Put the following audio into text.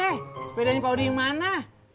sepedanya pak odi yang mana